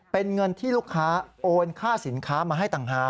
เป็นเงินที่ลูกค้าโอนค่าสินค้ามาให้ต่างหาก